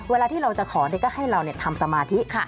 เวลาที่เราจะขอเนี่ยก็ให้เราเนี่ยทำสมาธิค่ะ